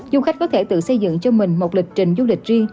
du khách có thể tự xây dựng cho mình một lịch trình du lịch riêng